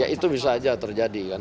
ya itu bisa saja terjadi kan